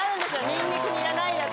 ニンニクニラないやつ。